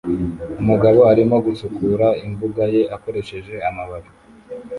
Umugabo arimo gusukura imbuga ye akoresheje amababi